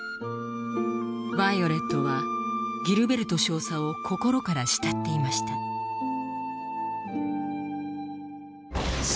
ヴァイオレットはギルベルト少佐を心から慕っていました少佐！